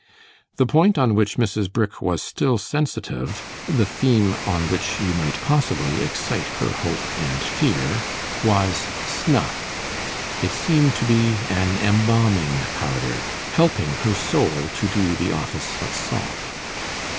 The point on which Mrs. Brick was still sensitive the theme on which you might possibly excite her hope and fear was snuff. It seemed to be an embalming powder, helping her soul to do the office of salt.